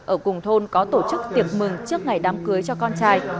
ở cùng thôn có tổ chức tiệc mừng trước ngày đám cưới cho con trai